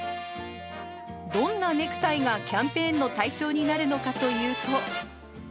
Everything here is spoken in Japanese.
どんなネクタイがキャンペーンの対象になるのかというと。